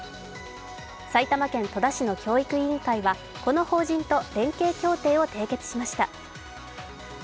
埼玉県戸田市の教育委員会はこの法人と連携協定を締結しました。